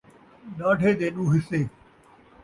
ݙاڈھے دے ݙو حصے